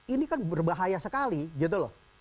ini kan berbahaya sekali gitu loh